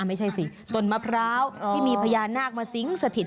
ไม่ใช่สิต้นมะพร้าวที่มีพญานาคมาสิงสถิต